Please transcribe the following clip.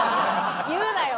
言うなよ！